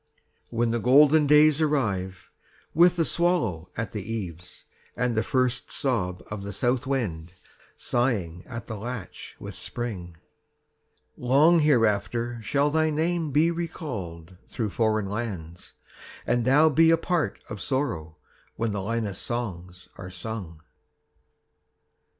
When the golden days arrive, With the swallow at the eaves, And the first sob of the south wind Sighing at the latch with spring, 40 Long hereafter shall thy name Be recalled through foreign lands, And thou be a part of sorrow When the Linus songs are sung.